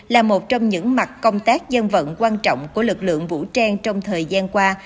là một trong những mặt công tác dân vận quan trọng của lực lượng vũ trang trong thời gian qua